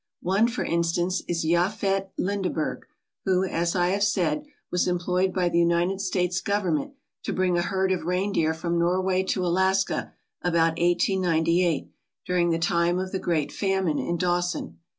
One, for instance, is Jafet Linde berg, who, as I have said, was employed by the United States Government to bring a herd of reindeer from Nor way to Alaska about 1898, during the time of the great famine in Dawson.